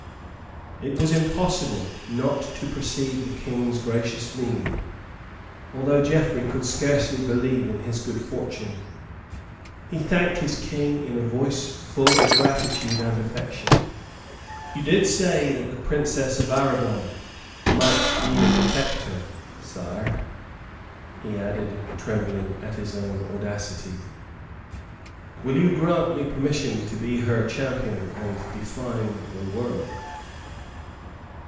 It was impossible not to perceive the King's gracious meaning, although Geoffrey could scarce believe in his good fortune. He thanked his King in a voice full of gratitude and affection. "You did say that the Princess of Aragon might need a protector, sire," he added, trembling at his own audacity. "Will you grant me permission to be her champion and defy the world?"